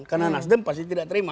karena nasdem pasti tidak terima